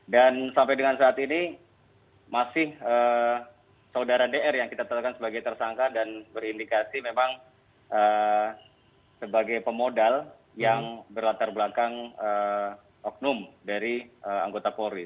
dan sampai dengan saat ini masih saudara dr yang kita tetapkan sebagai tersangka dan berindikasi memang sebagai pemodal yang berlatar belakang oknum dari anggota polri